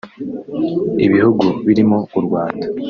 ibihugu birimo u Rwanda